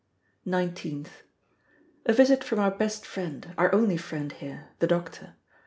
19th. A visit from our best friend our only friend here the doctor.